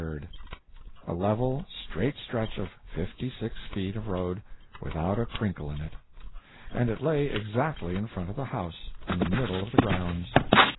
—a level, straight stretch of fifty six feet of road without a crinkle in it. And it lay exactly in front of the house, in the middle of the grounds.